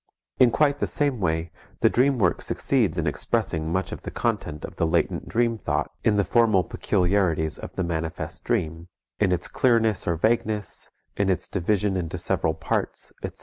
In quite the same way the dream work succeeds in expressing much of the content of the latent dream thought in the formal peculiarities of the manifest dream, in its clearness or vagueness, in its division into several parts, etc.